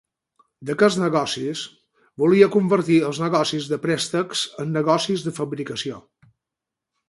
D'aquests negocis, volia convertir els negocis de préstecs en negocis de fabricació.